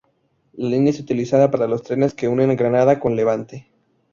La línea es utilizada para los trenes que unen Granada con levante.